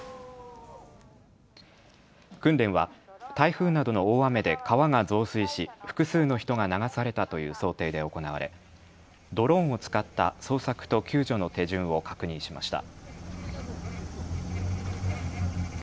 訓練は台風などの大雨で川が増水し複数の人が流されたという想定で行われ、ドローンを使った捜索と救助の手順を確認しました。